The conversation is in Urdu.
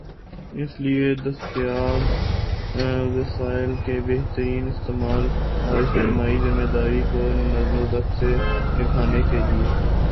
اس لئے دستیاب وسائل کے بہترین استعمال اور اجتماعی ذمہ داری کو نظم و ضبط سے نبھانے کے لئے